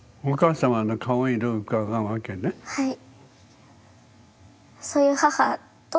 はい。